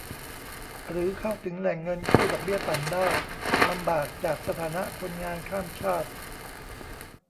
หรือเข้าถึงแหล่งเงินกู้ดอกเบี้ยต่ำได้ลำบากจากสถานะคนงานข้ามชาติ